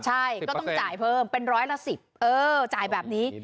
ใช่ก็ต้องจ่ายเพิ่มเป็นร้อยละ๑๐เออจ่ายแบบนี้